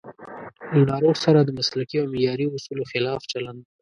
له ناروغ سره د مسلکي او معیاري اصولو خلاف چلند